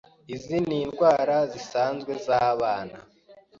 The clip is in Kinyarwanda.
Izi nindwara zisanzwe zabana.